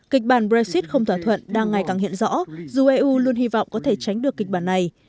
kịch bản brexit không thỏa thuận đang ngày càng hiện rõ dù eu luôn hy vọng có thể tránh được kịch bản này